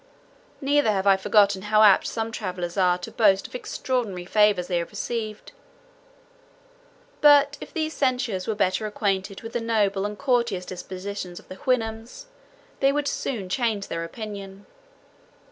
Neither have I forgotten how apt some travellers are to boast of extraordinary favours they have received. But, if these censurers were better acquainted with the noble and courteous disposition of the Houyhnhnms, they would soon change their opinion.